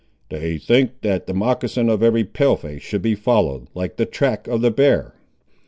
"They think that the moccasin of every Pale face should be followed, like the track of the bear.